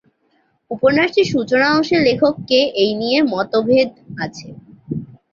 উপন্যাসটির সূচনা-অংশের লেখক কে এই নিয়ে মতভেদ আছে।